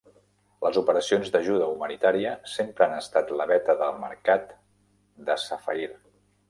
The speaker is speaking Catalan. Les operacions d'ajuda humanitària sempre han estat la veta de mercat de Safair.